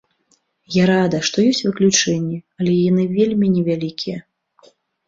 Я рада, што ёсць выключэнні, але яны вельмі невялікія.